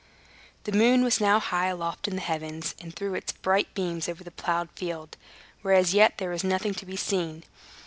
The moon was now high aloft in the heavens, and threw its bright beams over the plowed field, where as yet there was nothing to be seen.